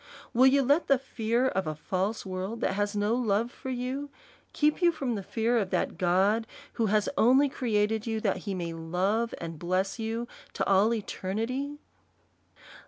Will you let the fear of a false world, that has no love for you, keep you from the fear of that God, who has only created you, that he may love and bless you to all eternity